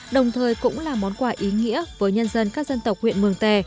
đồng thời cũng là món quà ý nghĩa với nhân dân các dân tộc huyện mường tè